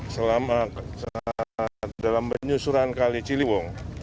selama dalam penyusuran kali ciliwung